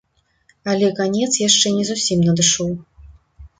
Але канец яшчэ не зусім надышоў.